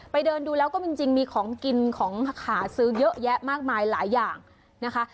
เดินดูแล้วก็จริงมีของกินของหาซื้อเยอะแยะมากมายหลายอย่างนะคะ